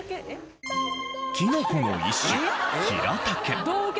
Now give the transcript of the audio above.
キノコの一種ヒラタケ。